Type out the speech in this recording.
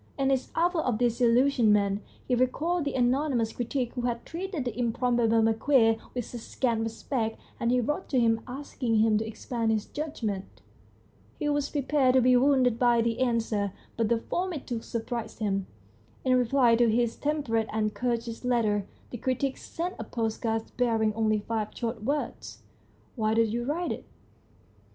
In his hour of disillusionment he recalled the anonymous critic who had treated 144 THE STORY OF A BOOK "The Improbable Marquis" with such scant respect, and he wrote to him asking him to expand his judgment. He was prepared to be wounded by the answer, but the form it took surprised him. In reply to his tem perate and courteous letter the critic sent a postcard bearing only five short words "Why did you write it?"